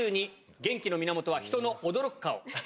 元気の源は、人の驚く顔。